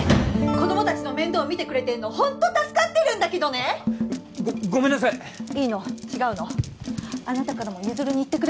子供達の面倒見てくれてんのホント助かってるんだけどねごめんなさいいいの違うのあなたからも譲に言ってくれない？